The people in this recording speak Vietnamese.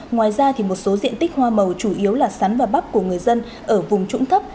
ngoài ra một số diện tích hoa màu chủ yếu là sắn và bắp của người dân ở vùng trũng thấp